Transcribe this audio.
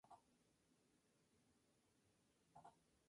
Se encargó de diversas obras a lo largo de la provincia de Madrid.